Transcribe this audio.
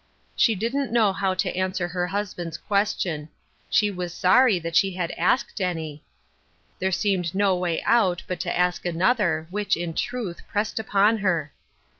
She didn't know how to answer her husband's question. She was sorry that she had asked any. There seemed no way out but to ask another, which, in truth, pressed upon her.